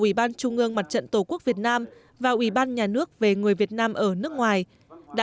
ủy ban trung ương mặt trận tổ quốc việt nam và ủy ban nhà nước về người việt nam ở nước ngoài đã